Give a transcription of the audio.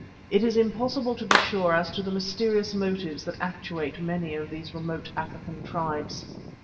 It is impossible to be sure as to the mysterious motives that actuate many of these remote African tribes.